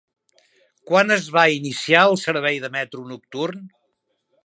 Quan es va iniciar el servei de metro nocturn?